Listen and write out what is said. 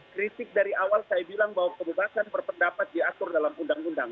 kritik dari awal saya bilang bahwa kebebasan berpendapat diatur dalam undang undang